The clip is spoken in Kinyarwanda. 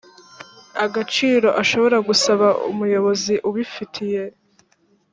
agaciro ashobora gusaba umuyobozi ubifitiye